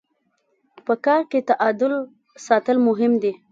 په کار کي تعادل ساتل مهم دي.